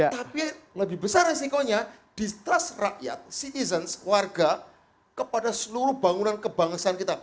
tapi lebih besar resikonya distrust rakyat citizens warga kepada seluruh bangunan kebangsaan kita